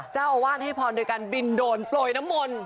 เจ้าอาวาสให้พรดิกันบินโดนปล่อยน้ำมน